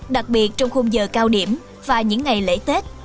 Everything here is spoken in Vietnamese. đặc biệt trong khung giờ cao điểm và những ngày lễ tết